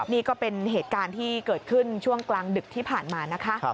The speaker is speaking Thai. นี่ก็เป็นเหตุการณ์ที่เกิดขึ้นช่วงกลางดึกที่ผ่านมานะคะ